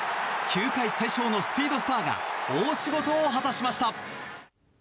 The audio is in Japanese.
球界最小のスピードスターが大仕事を果たしました。